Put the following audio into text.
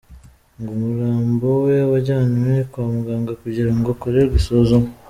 Ngo umurambo we wajyanwe kwa muganga kugirango ukorerwe isuzuma.